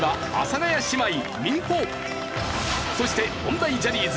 そして音大ジャニーズＡぇ！